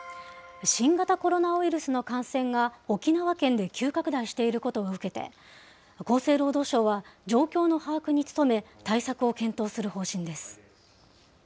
新型コロナウイルスの感染が沖縄県で急拡大していることを受けて、厚生労働省は、状況の把握に努め、対策を検討する方針です。